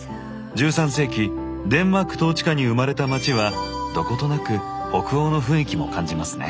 １３世紀デンマーク統治下に生まれた街はどことなく北欧の雰囲気も感じますね。